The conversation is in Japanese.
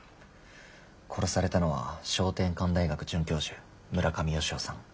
殺されたのは翔天館大学准教授村上好夫さん。